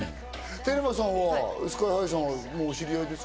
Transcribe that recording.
テルマさんはＳＫＹ−ＨＩさんはお知り合いですか？